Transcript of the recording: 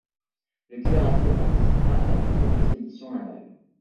Le cuirassé participa à toutes les expéditions navales.